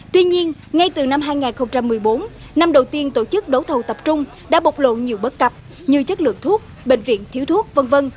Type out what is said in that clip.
tuy nhiên ngay từ năm hai nghìn một mươi bốn năm đầu tiên tổ chức đấu thầu tập trung đã bộc lộ nhiều bất cập như chất lượng thuốc bệnh viện thiếu thuốc v v